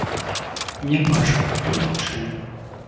Не бачыў хто і чым.